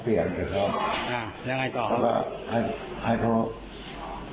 พี่ยืดลายมาพอก็ถูกแล้วก็เอาของผมเข้าไปนี่ห้องเข้าไปเผาอะไร